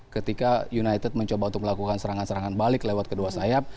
ketika united mencoba untuk melakukan serangan serangan balik lewat kedua sayap